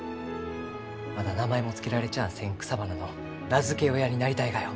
まだ名前も付けられちゃあせん草花の名付け親になりたいがよ。